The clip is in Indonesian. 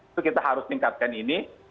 itu kita harus tingkatkan ini